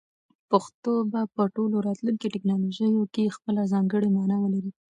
پښتو به په ټولو راتلونکو ټکنالوژیو کې خپله ځانګړې مانا ولري.